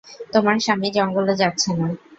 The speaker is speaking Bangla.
তোমার স্বামী জঙ্গলে যাচ্ছে না।